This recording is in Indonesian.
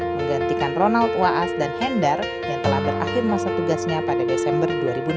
menggantikan ronald waas ⁇ dan hendar yang telah berakhir masa tugasnya pada desember dua ribu enam belas